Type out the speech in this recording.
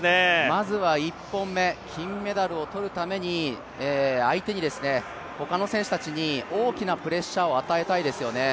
まずは１本目、金メダルをとるために、相手に、ほかの選手たちに大きなプレッシャーを与えたいですよね。